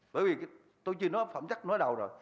bởi vì tôi chưa nói phẩm chất nói đầu rồi